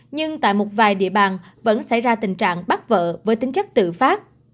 nhưng tại một vài địa bàn vẫn xảy ra tình trạng bắt vợ với tính chất tự phát